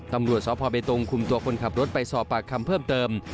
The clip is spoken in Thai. ตำรวจสพเบตงคุมตัวคนขับรถไปสอบปากคำเพิ่มเติม